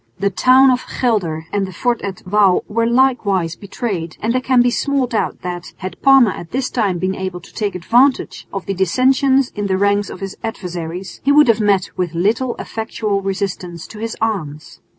The town of Gelder and the fort at Wouw were likewise betrayed, and there can be small doubt that, had Parma at this time been able to take advantage of the dissensions in the ranks of his adversaries, he would have met with little effectual resistance to his arms.